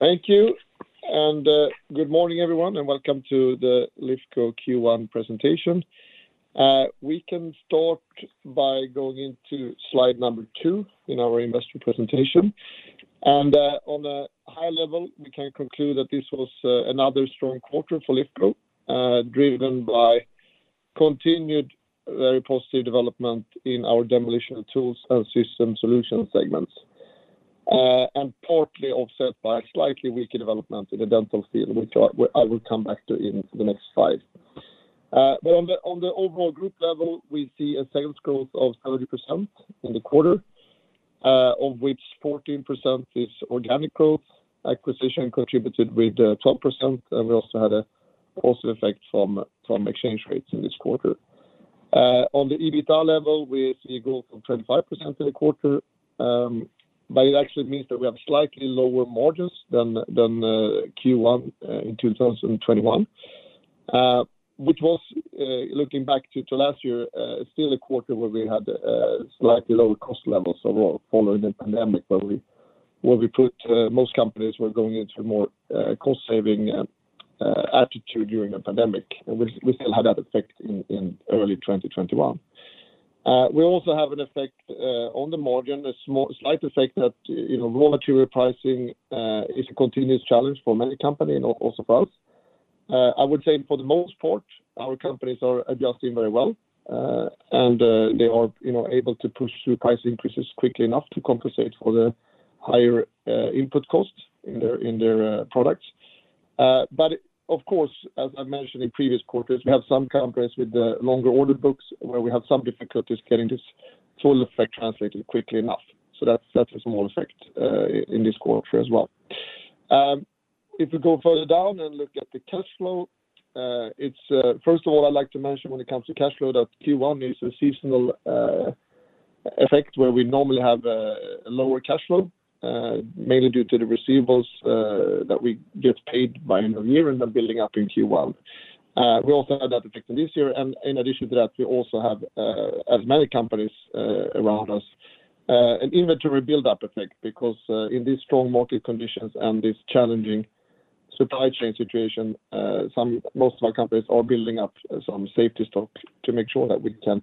Thank you and good morning everyone, and welcome to the Lifco Q1 presentation. We can start by going into slide number two in our investor presentation. On a high level, we can conclude that this was another strong quarter for Lifco, driven by continued very positive development in our Demolition & Tools and Systems Solutions segments, partly offset by a slightly weaker development in the dental field, which I will come back to in the next slide. On the overall group level, we see a sales growth of 30% in the quarter, of which 14% is organic growth. Acquisitions contributed with 12%, and we also had a positive effect from exchange rates in this quarter. On the EBITDA level, we see growth of 25% in the quarter, but it actually means that we have slightly lower margins than Q1 in 2021, which was, looking back to last year, still a quarter where we had slightly lower cost levels overall following the pandemic where most companies were going into more cost saving attitude during the pandemic. We still had that effect in early 2021. We also have an effect on the margin, a small slight effect that, you know, raw material pricing is a continuous challenge for many companies and also us. I would say for the most part, our companies are adjusting very well, and they are, you know, able to push through price increases quickly enough to compensate for the higher input costs in their products. Of course, as I mentioned in previous quarters, we have some companies with longer order books where we have some difficulties getting this full effect translated quickly enough. That's a small effect in this quarter as well. If we go further down and look at the cash flow, it's first of all, I'd like to mention when it comes to cash flow, that Q1 is a seasonal effect where we normally have lower cash flow mainly due to the receivables that we get paid by end of year, end up building up in Q1. We also had that effect this year, and in addition to that, we also have, as many companies around us, an inventory buildup effect because in these strong market conditions and this challenging supply chain situation, most of our companies are building up some safety stock to make sure that we can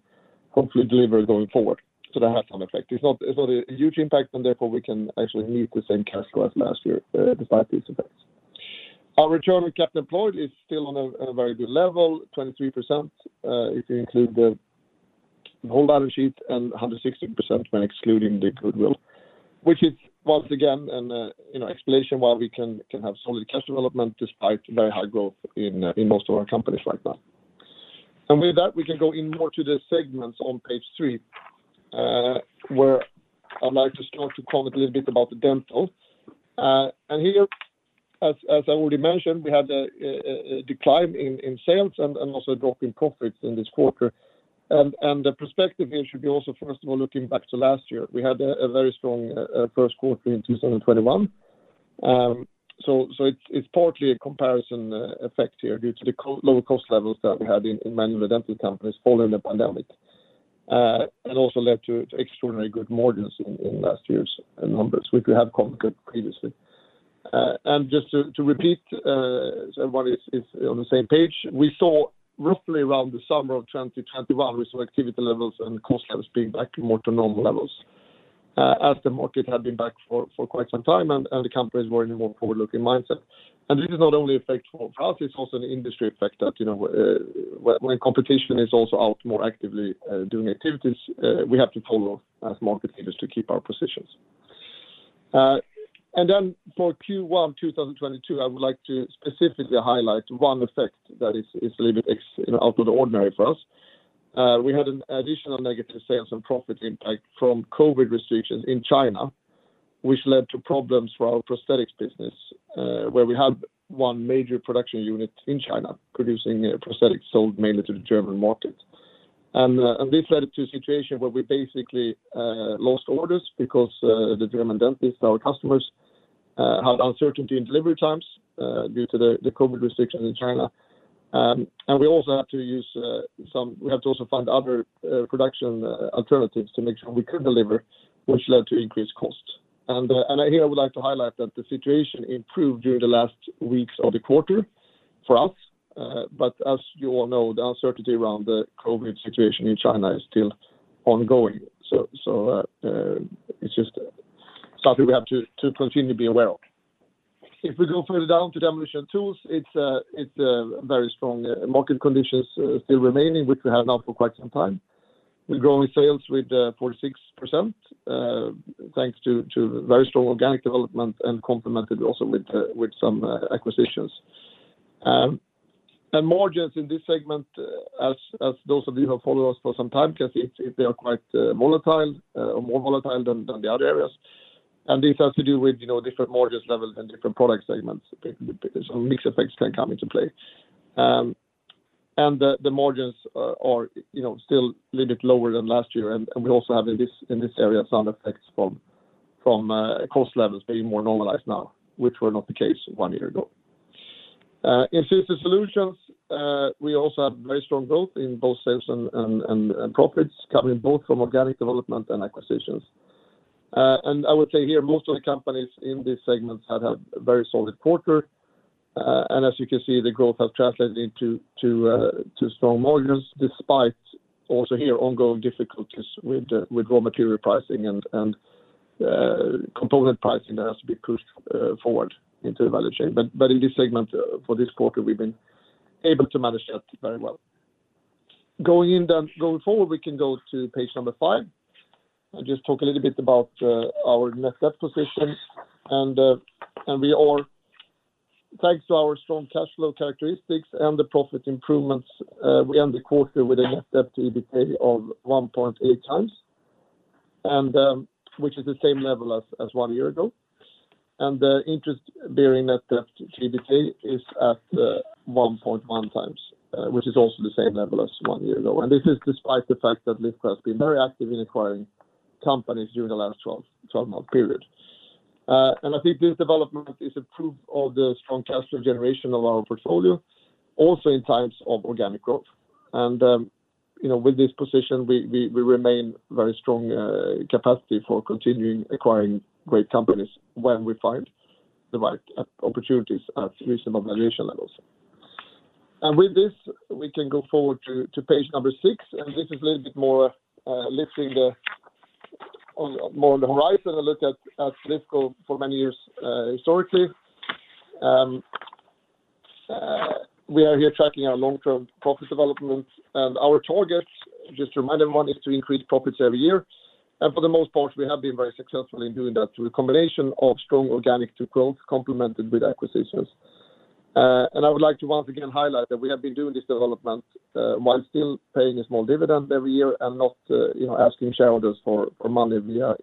hopefully deliver going forward. That has some effect. It's not a huge impact, and therefore we can actually meet the same cash flow as last year, despite these effects. Our return on capital employed is still on a very good level, 23%, if you include the whole balance sheet, and 160% when excluding the goodwill, which is once again an, you know, explanation why we can have solid cash development despite very high growth in most of our companies right now. With that, we can go in more to the segments on page three, where I'd like to start to comment a little bit about the Dental. Here, as I already mentioned, we had a decline in sales and also a drop in profits in this quarter. The perspective here should be also, first of all, looking back to last year. We had a very strong first quarter in 2021. It's partly a comparison effect here due to the lower cost levels that we had in many of the dental companies following the pandemic. It also led to extraordinarily good margins in last year's numbers, which we have commented previously. Just to repeat, everybody is on the same page, we saw roughly around the summer of 2021 activity levels and cost levels being back more to normal levels. As the market had been back for quite some time and the companies were in a more forward-looking mindset. This is not only effect for us. It's also an industry effect that, you know, when competition is also out more actively doing activities, we have to follow as market leaders to keep our positions. Then for Q1 2022, I would like to specifically highlight one effect that is a little bit out of the ordinary for us. We had an additional negative sales and profit impact from COVID restrictions in China, which led to problems for our prosthetics business, where we have one major production unit in China producing prosthetics sold mainly to the German market. This led to a situation where we basically lost orders because the German dentists, our customers, had uncertainty in delivery times due to the COVID restrictions in China. We had to also find other production alternatives to make sure we could deliver, which led to increased cost. Here I would like to highlight that the situation improved during the last weeks of the quarter for us, but as you all know, the uncertainty around the COVID situation in China is still ongoing. It's just something we have to continue to be aware of. If we go further down to Demolition & Tools, it's very strong. Market conditions still remaining, which we have now for quite some time. We're growing sales with 46%, thanks to very strong organic development and complemented also with some acquisitions. Margins in this segment, as those of you who follow us for some time can see, they are quite volatile, or more volatile than the other areas. This has to do with, you know, different margins levels and different product segments because some mix effects can come into play. The margins are, you know, still a little bit lower than last year. We also have in this area some effects from cost levels being more normalized now, which were not the case one year ago. In Safety Solutions, we also have very strong growth in both sales and profits coming both from organic development and acquisitions. I would say here, most of the companies in this segment had a very solid quarter. As you can see, the growth has translated into to strong margins despite also here ongoing difficulties with raw material pricing and component pricing that has been pushed forward into the value chain. In this segment, for this quarter, we've been able to manage that very well. Going forward, we can go to page number 5. I'll just talk a little bit about our net debt position. Thanks to our strong cash flow characteristics and the profit improvements, we end the quarter with a net debt to EBITDA of 1.8 times. Which is the same level as one year ago. The interest-bearing net debt to EBITDA is at 1.1x, which is also the same level as one year ago. This is despite the fact that Lifco has been very active in acquiring companies during the last 12-month period. I think this development is a proof of the strong cash flow generation of our portfolio, also in times of organic growth. You know, with this position, we remain very strong capacity for continuing acquiring great companies when we find the right opportunities at reasonable valuation levels. With this, we can go forward to page number six, and this is a little bit more lifting the lid on more on the horizon, a look at Lifco for many years historically. We are here tracking our long-term profit development. Our targets, just a reminder one, is to increase profits every year. For the most part, we have been very successful in doing that through a combination of strong organic growth complemented with acquisitions. I would like to once again highlight that we have been doing this development while still paying a small dividend every year and not, you know, asking shareholders for money via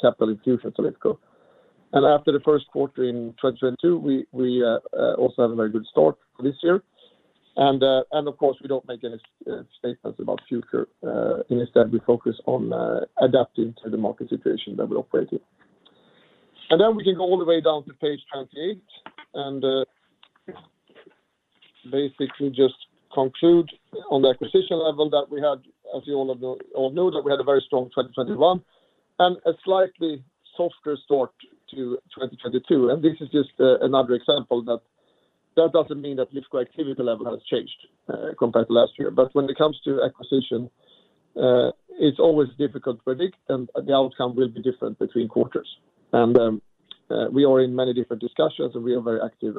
capital infusion into Lifco. After the first quarter in 2022, we also had a very good start this year. Of course, we don't make any statements about future. Instead we focus on adapting to the market situation that we operate in. Then we can go all the way down to page 28 and basically just conclude on the acquisition level that we had. As you all know that we had a very strong 2021 and a slightly softer start to 2022. This is just another example that that doesn't mean that Lifco activity level has changed compared to last year. When it comes to acquisition, it's always difficult to predict, and the outcome will be different between quarters. We are in many different discussions, and we are very active.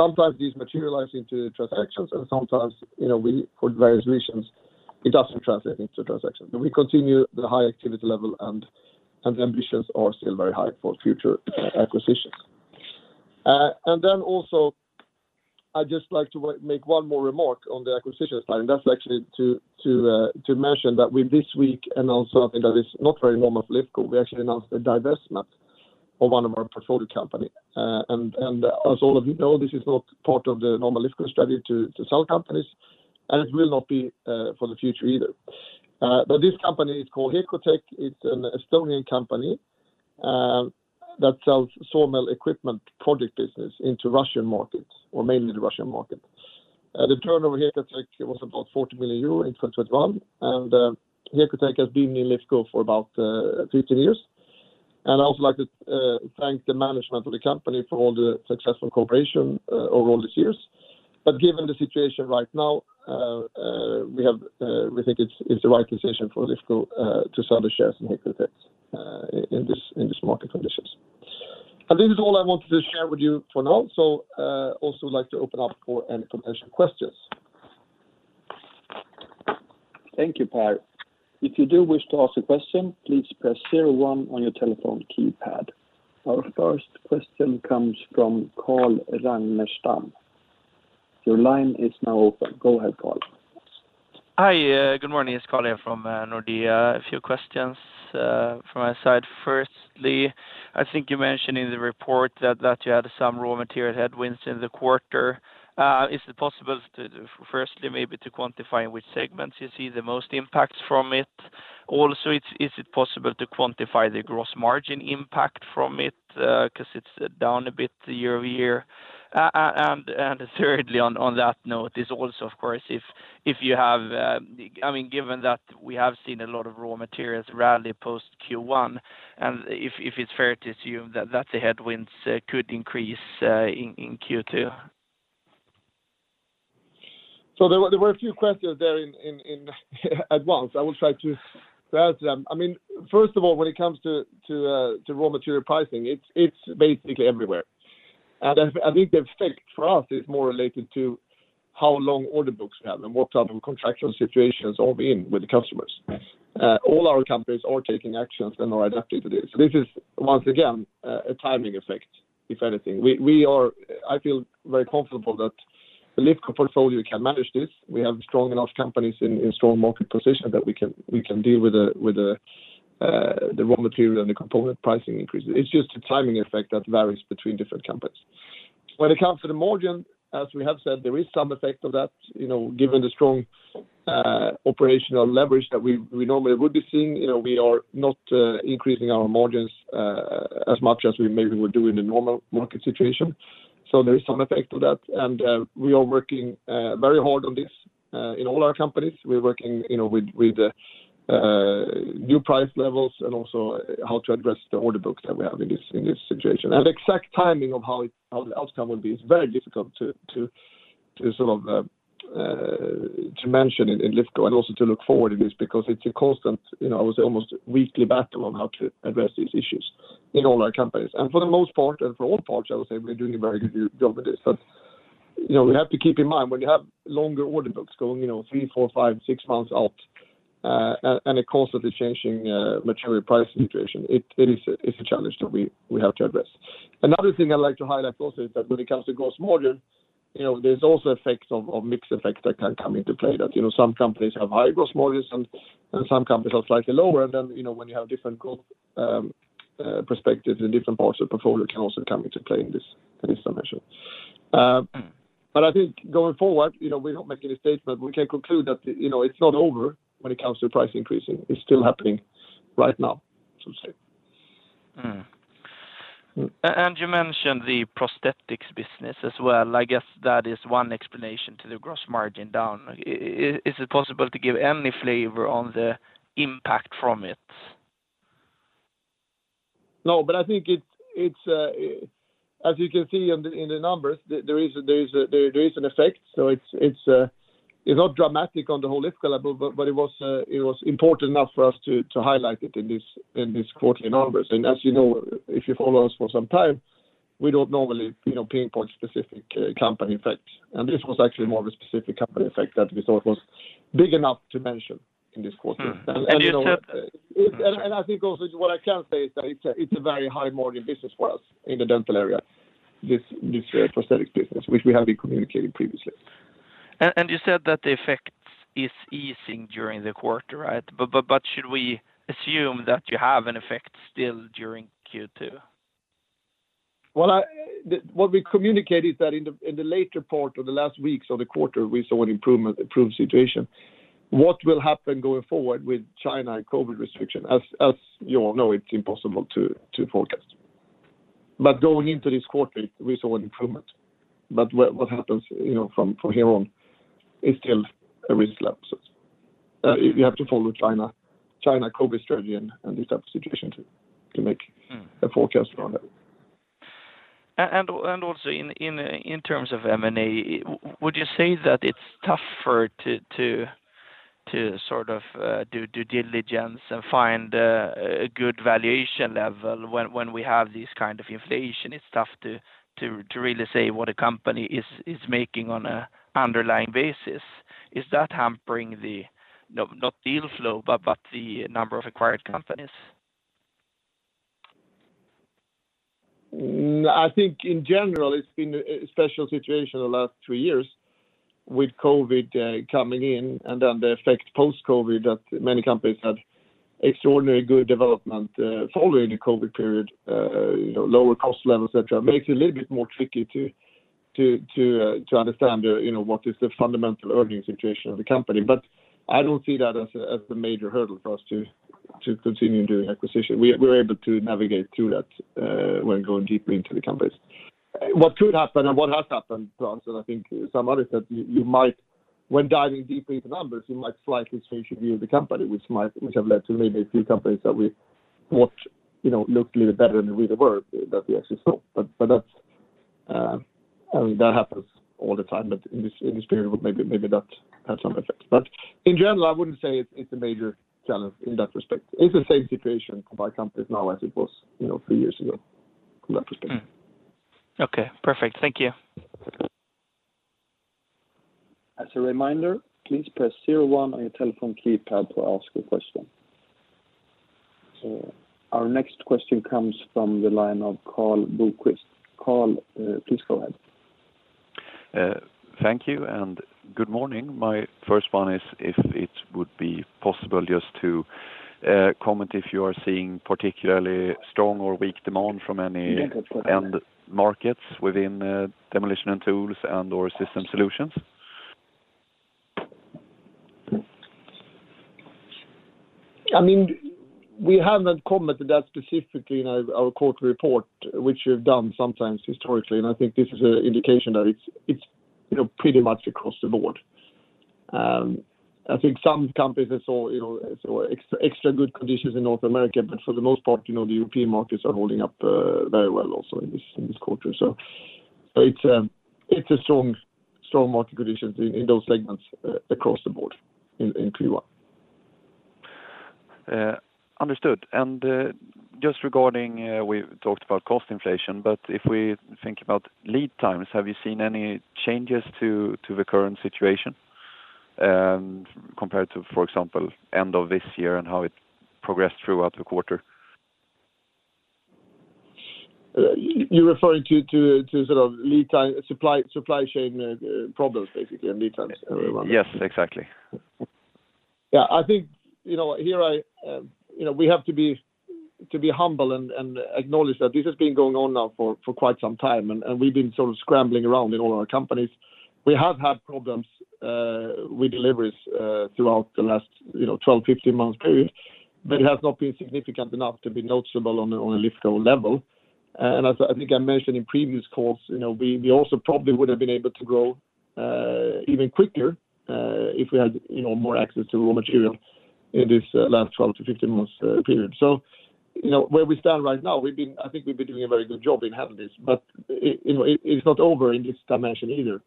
Sometimes these materialize into transactions, and sometimes, you know, we for various reasons, it doesn't translate into transactions. We continue the high activity level, and ambitions are still very high for future acquisitions. I'd just like to make one more remark on the acquisition side, and that's actually to mention that this week we announced something that is not very normal for Lifco. We actually announced a divestment of one of our portfolio company. As all of you know, this is not part of the normal Lifco strategy to sell companies, and it will not be for the future either. This company is called Hekotek. It's an Estonian company, that sells sawmill equipment project business into Russian markets or mainly the Russian market. The turnover of Hekotek was about 40 million euro in 2021, and Hekotek has been in Lifco for about 15 years. I'd also like to thank the management of the company for all the successful cooperation over all these years. Given the situation right now, we think it's the right decision for Lifco to sell the shares in Hekotek in this market conditions. This is all I wanted to share with you for now. Also like to open up for any potential questions. Thank you, Per. If you do wish to ask a question, please press zero one on your telephone keypad. Our first question comes from Carl Ragnerstam. Your line is now open. Go ahead, Carl. Hi. Good morning. It's Carl here from Nordea. A few questions from my side. Firstly, I think you mentioned in the report that you had some raw material headwinds in the quarter. Is it possible, firstly, maybe to quantify which segments you see the most impacts from it? Also, is it possible to quantify the gross margin impact from it, 'cause it's down a bit year-over-year? Thirdly, on that note, is also, of course, if you have, I mean, given that we have seen a lot of raw materials rally post Q1 and if it's fair to assume that that's headwinds could increase in Q2. There were a few questions there all at once. I will try to answer them. I mean, first of all, when it comes to raw material pricing, it's basically everywhere. I think the effect for us is more related to how long order books we have and what type of contractual situations are we in with the customers. Yes. All our companies are taking actions and are adapting to this. This is once again a timing effect, if anything. I feel very comfortable that the Lifco portfolio can manage this. We have strong enough companies in strong market position that we can deal with the raw material and the component pricing increases. It's just a timing effect that varies between different companies. When it comes to the margin, as we have said, there is some effect of that. You know, given the strong operational leverage that we normally would be seeing. You know, we are not increasing our margins as much as we maybe would do in a normal market situation. There is some effect of that, and we are working very hard on this in all our companies. We're working, you know, with new price levels and also how to address the order books that we have in this situation. The exact timing of how the outcome will be is very difficult to sort of mention in Lifco and also to look forward in this because it's a constant, you know, I would say almost weekly battle on how to address these issues in all our companies. For the most part, and for all parts, I would say we're doing a very good job with this. You know, we have to keep in mind, when you have longer order books going, you know, 3, 4, 5, 6 months out, and a constantly changing material price situation, it's a challenge that we have to address. Another thing I'd like to highlight also is that when it comes to gross margin, you know, there's also effects of mix effects that can come into play that, you know, some companies have high gross margins and some companies have slightly lower. You know, when you have different growth perspectives and different parts of the portfolio can also come into play in this dimension. I think going forward, you know, we're not making a statement. We can conclude that, you know, it's not over when it comes to price increasing. It's still happening right now, so to say. You mentioned the prosthetics business as well. I guess that is one explanation to the gross margin down. Is it possible to give any flavor on the impact from it? No, I think it's as you can see in the numbers. There is an effect. It's not dramatic on the whole Lifco level, but it was important enough for us to highlight it in this quarterly numbers. As you know, if you follow us for some time, we don't normally, you know, pinpoint specific company effects. This was actually more of a specific company effect that we thought was big enough to mention in this quarter. You said. you know, I think also what I can say is that it's a very high margin business for us in the dental area, this prosthetics business, which we have been communicating previously. You said that the effect is easing during the quarter, right? Should we assume that you have an effect still during Q2? Well, what we communicate is that in the later part or the last weeks of the quarter, we saw an improvement, improved situation. What will happen going forward with China and COVID restriction, as you all know, it's impossible to forecast. Going into this quarter, we saw an improvement. What happens, you know, from here on is still a risk factor. You have to follow China COVID strategy and this type of situation to make Mm. A forecast around that. Also in terms of M&A, would you say that it's tougher to sort of do due diligence and find a good valuation level when we have this kind of inflation? It's tough to really say what a company is making on an underlying basis. Is that hampering? No, not deal flow, but the number of acquired companies? I think in general it's been a special situation the last three years with COVID coming in and then the effect post-COVID that many companies had extraordinary good development following the COVID period. You know, lower cost levels, et cetera, makes it a little bit more tricky to understand you know what is the fundamental earnings situation of the company. I don't see that as a major hurdle for us to continue doing acquisition. We're able to navigate through that when going deeply into the companies. What could happen and what has happened to us, and I think some others, that you might... When diving deeply into numbers, you might slightly switch your view of the company, which might have led to maybe a few companies that we watch, you know, looked a little better than they really were that we actually saw. That's, I mean, that happens all the time, but in this period, maybe that had some effect. In general, I wouldn't say it's a major challenge in that respect. It's the same situation to buy companies now as it was, you know, three years ago from that perspective. Okay. Perfect. Thank you. As a reminder, please press zero one on your telephone keypad to ask a question. Our next question comes from the line of Karl Bokvist. Carl, please go ahead. Thank you and good morning. My first one is if it would be possible just to comment if you are seeing particularly strong or weak demand from any end markets within Demolition & Tools and/or Systems Solutions? I mean, we haven't commented that specifically in our quarterly report, which we've done sometimes historically, and I think this is an indication that it's you know, pretty much across the board. I think some companies have seen you know, extra good conditions in North America, but for the most part, you know, the European markets are holding up very well also in this quarter. It's a strong market conditions in those segments across the board in Q1. Understood. Just regarding, we talked about cost inflation, but if we think about lead times, have you seen any changes to the current situation, compared to, for example, end of this year and how it progressed throughout the quarter? You're referring to sort of lead time, supply chain problems basically and lead times, right? Yes, exactly. Yeah. I think, you know, here I, you know, we have to be humble and acknowledge that this has been going on now for quite some time, and we've been sort of scrambling around in all our companies. We have had problems with deliveries throughout the last 12-15 months period. It has not been significant enough to be noticeable on a Lifco level. I think I mentioned in previous calls, you know, we also probably would've been able to grow even quicker if we had, you know, more access to raw material in this last 12-15 months period. You know, where we stand right now, we've been. I think we've been doing a very good job in having this, but you know, it's not over in this dimension either.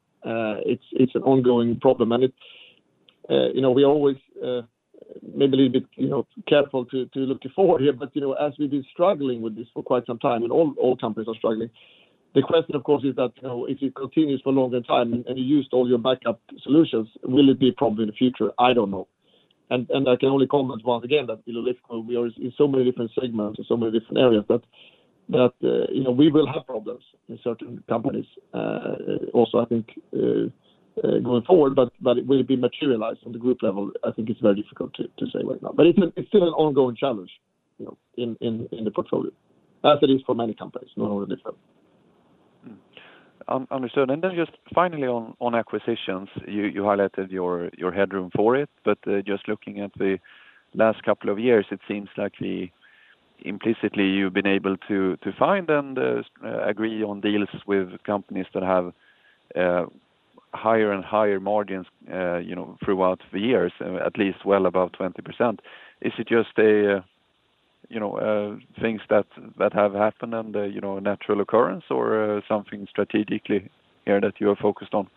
It's an ongoing problem and it's you know, we always maybe a little bit you know careful to looking forward here. You know, as we've been struggling with this for quite some time, and all companies are struggling, the question of course is that you know, if it continues for a longer time and you used all your backup solutions, will it be a problem in the future? I don't know. I can only comment once again that you know, Lifco, we are in so many different segments, in so many different areas that you know, we will have problems in certain companies. Also I think going forward, but it will be materialized on the group level. I think it's very difficult to say right now. It's still an ongoing challenge, you know, in the portfolio as it is for many companies, not only Lifco. Understood. Just finally on acquisitions, you highlighted your headroom for it, but just looking at the last couple of years, it seems like implicitly you've been able to find and agree on deals with companies that have higher and higher margins, you know, throughout the years, at least well above 20%. Is it just a you know things that have happened and a you know a natural occurrence or something strategically here that you are focused on?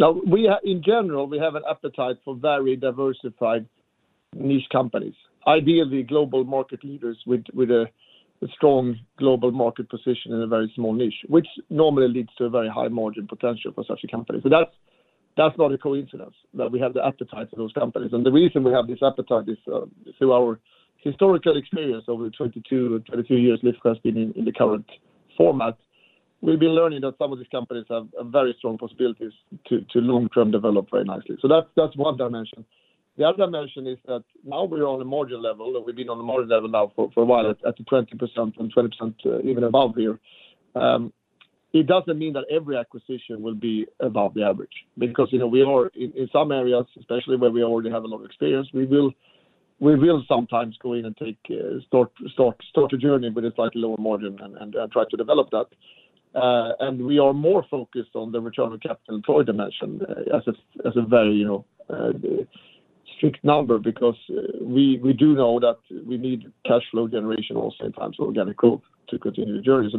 No. In general, we have an appetite for very diversified niche companies. Ideally global market leaders with a strong global market position in a very small niche, which normally leads to a very high margin potential for such a company. That's not a coincidence that we have the appetite for those companies. The reason we have this appetite is through our historical experience over 22, 23 years Lifco has been in the current format, we've been learning that some of these companies have very strong possibilities to long-term develop very nicely. That's one dimension. The other dimension is that now we are on a margin level, and we've been on the margin level now for a while at 20% and 20% even above here. It doesn't mean that every acquisition will be above the average because, you know, we are in some areas, especially where we already have a lot of experience. We will sometimes go in and start a journey with a slightly lower margin and try to develop that. We are more focused on the return on capital employed dimension as a very, you know, strict number because we do know that we need cash flow generation also in times of COVID to continue the journey.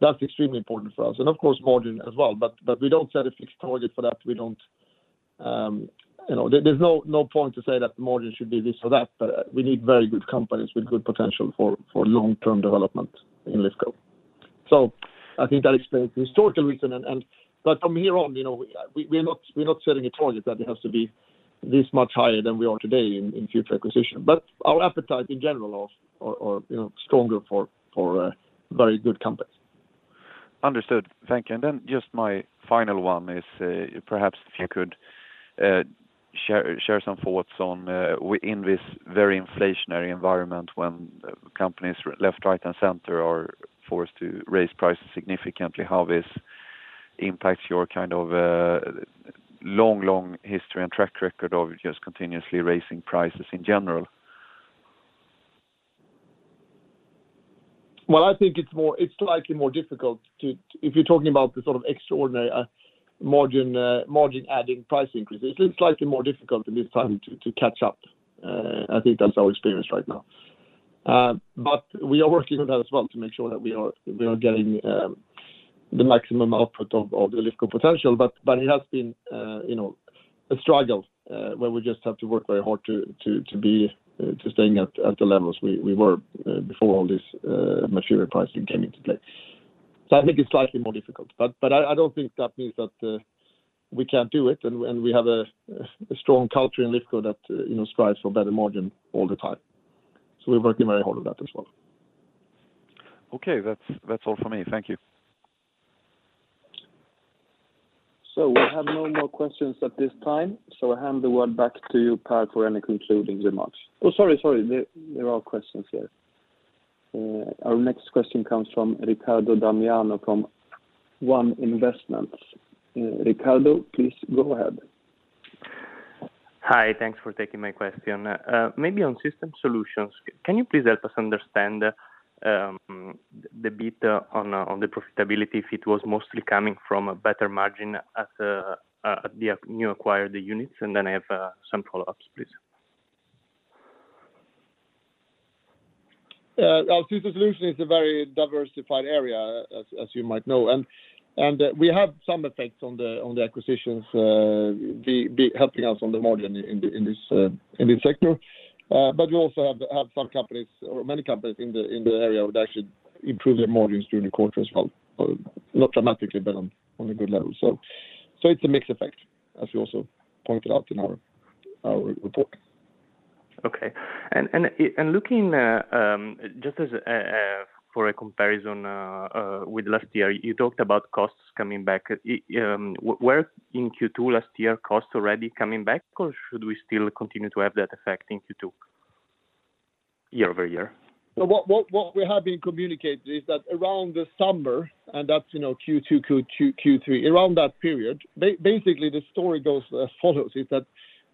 That's extremely important for us. Of course margin as well, but we don't set a fixed target for that. We don't. There's no point to say that margin should be this or that, but we need very good companies with good potential for long-term development in Lifco. I think that explains the historical reason and. From here on, we are not setting a target that it has to be this much higher than we are today in future acquisition. Our appetite in general are stronger for very good companies. Understood. Thank you. Just my final one is perhaps if you could share some thoughts on, in this very inflationary environment when companies left, right, and center are forced to raise prices significantly, how this impacts your kind of long history and track record of just continuously raising prices in general? I think it's slightly more difficult. If you're talking about the sort of extraordinary margin adding price increase, it's slightly more difficult at this time to catch up. I think that's our experience right now. We are working on that as well to make sure that we are getting the maximum output of the Lifco potential. It has been, you know, a struggle where we just have to work very hard to stay at the levels we were before all this material pricing came into play. I think it's slightly more difficult, but I don't think that means that we can't do it. We have a strong culture in Lifco that, you know, strives for better margin all the time. We're working very hard on that as well. Okay. That's all for me. Thank you. We have no more questions at this time, so I hand the word back to you, Per, for any concluding remarks. Oh, sorry. There are questions here. Our next question comes from Riccardo Romiati from One Investments. Riccardo, please go ahead. Hi. Thanks for taking my question. Maybe on Systems Solutions, can you please help us understand the beat on the profitability if it was mostly coming from a better margin at the new acquired units? I have some follow-ups, please. Our Systems Solutions is a very diversified area as you might know, and we have some effects on the acquisitions helping us on the margin in this sector. We also have some companies or many companies in the area that should improve their margins during the quarter as well. Not dramatically, but on a good level. It's a mixed effect as we also pointed out in our report. Okay. Looking just as a for a comparison with last year, you talked about costs coming back. Were in Q2 last year costs already coming back, or should we still continue to have that effect in Q2? Year-over-year What we have been communicating is that around the summer, and that's, you know, Q2, Q3, around that period. Basically, the story goes as follows is that,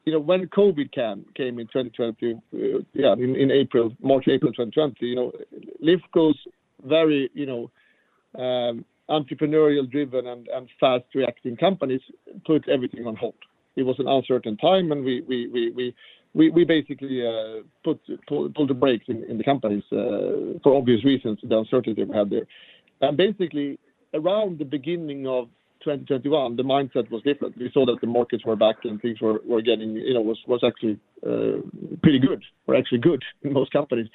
you know, when COVID came in 2020, in March, April 2020, you know, Lifco's very entrepreneurial driven and fast reacting companies put everything on hold. It was an uncertain time, and we basically pulled the brakes in the companies for obvious reasons, the uncertainty we had there. Basically, around the beginning of 2021, the mindset was different. We saw that the markets were back and things were getting, you know, was actually pretty good or actually good in most companies.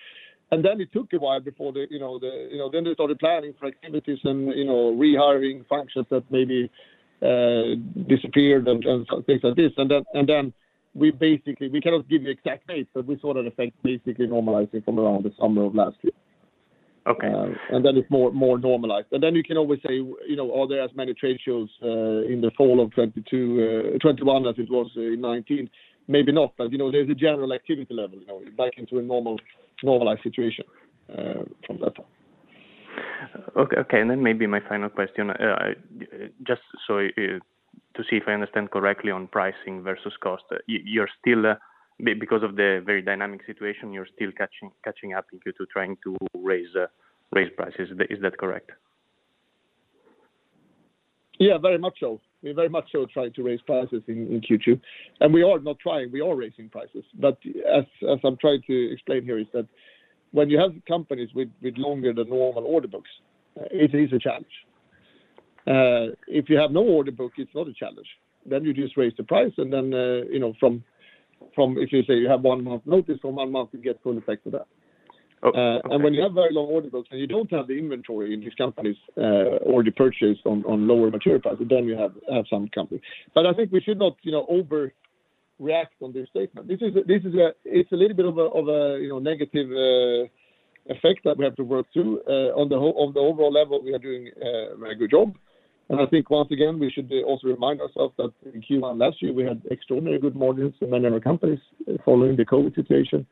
It took a while before the, you know, then they started planning for activities and, you know, rehiring functions that maybe disappeared and things like this. We basically cannot give the exact date, but we saw that effect basically normalizing from around the summer of last year. Okay. It's more normalized. You can always say, you know, are there as many trade shows in the fall of 2022, 2021 as it was in 2019? Maybe not. You know, there's a general activity level, you know, back into a normal, normalized situation, from that time. Okay. Maybe my final question. Just so to see if I understand correctly on pricing versus cost. You're still, because of the very dynamic situation, you're still catching up in Q2 trying to raise prices. Is that correct? Yeah, very much so. We are raising prices in Q2. As I'm trying to explain here is that when you have companies with longer than normal order books, it is a challenge. If you have no order book, it's not a challenge, then you just raise the price and then you know, from if you say you have one month notice, you get full effect of that. Okay. When you have very long order books, and you don't have the inventory in these companies, or you purchase on lower material prices, then you have some company. But I think we should not, you know, overreact on this statement. This is a little bit of a, you know, negative effect that we have to work through. On the overall level, we are doing a very good job. I think once again, we should also remind ourselves that in Q1 last year, we had extraordinary good margins in many of our companies following the COVID situation.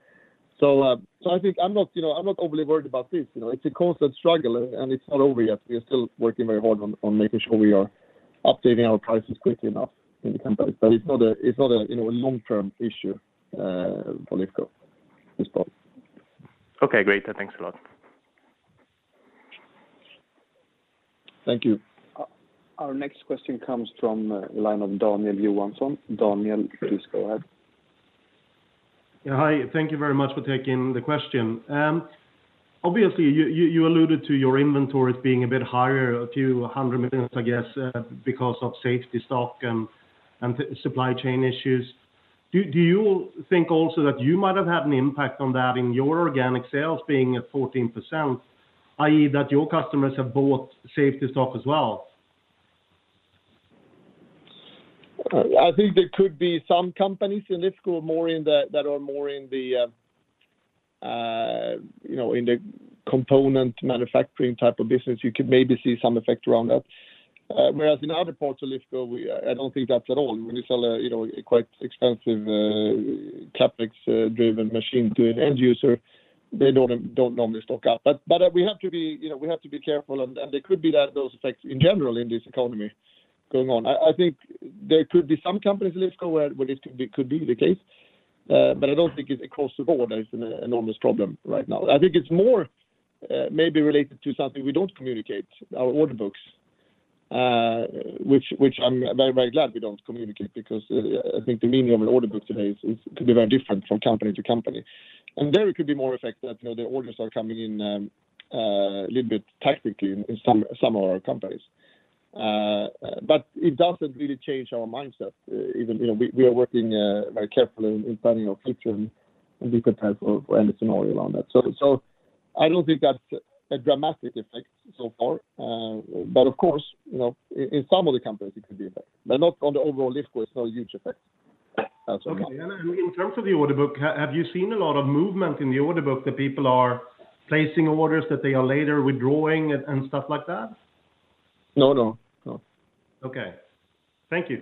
So I think I'm not, you know, I'm not overly worried about this. You know, it's a constant struggle, and it's not over yet. We are still working very hard on making sure we are updating our prices quickly enough in the companies. It's not a, you know, a long-term issue for Lifco at this point. Okay, great. Thanks a lot. Thank you. Our next question comes from the line of Daniel Johansson. Daniel, please go ahead. Yeah, hi. Thank you very much for taking the question. Obviously, you alluded to your inventory as being a bit higher, a few hundred million SEK, I guess, because of safety stock and supply chain issues. Do you think also that you might have had an impact on that in your organic sales being at 14%, i.e., that your customers have bought safety stock as well? I think there could be some companies in Lifco that are more in the, you know, in the component manufacturing type of business. You could maybe see some effect around that. Whereas in other parts of Lifco, I don't think that at all. When you sell a, you know, a quite expensive CapEx driven machine to an end user, they don't normally stock up. But we have to be, you know, careful and there could be those effects in general in this economy going on. I think there could be some companies in Lifco where this could be the case. I don't think it's across the board as an enormous problem right now. I think it's more, maybe related to something we don't communicate, our order books, which I'm very, very glad we don't communicate because I think the meaning of an order book today is could be very different from company to company. There it could be more effect that, you know, the orders are coming in, a little bit tactically in some of our companies. It doesn't really change our mindset. Even you know, we are working very carefully in planning our future and different types of any scenario on that. I don't think that's a dramatic effect so far. Of course, you know, in some of the companies it could be effect. Not on the overall Lifco, it's not a huge effect as of now. Okay. In terms of the order book, have you seen a lot of movement in the order book that people are placing orders that they are later withdrawing and stuff like that? No. No. No. Okay. Thank you.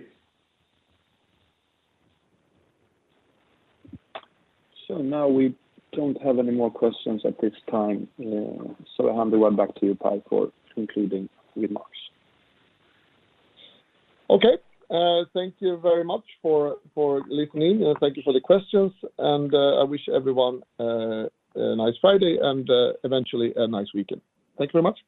Now we don't have any more questions at this time. I hand it right back to you, Per, for concluding remarks. Okay. Thank you very much for listening, and thank you for the questions. I wish everyone a nice Friday and eventually a nice weekend. Thank you very much.